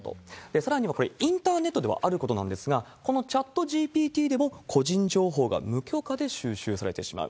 さらにはこれ、インターネットではあることなんですが、このチャットＧＰＴでも個人情報が無許可で収集されてしまう。